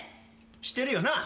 してるよなあ